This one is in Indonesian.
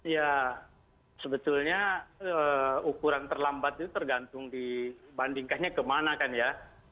ya sebetulnya ukuran terlambat itu tergantung dibandingkannya kemana kan ya